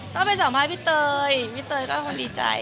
ก็ไปสาหวัดพี่เตยพี่เตยก็ก็ง่ายก่อนดีใจ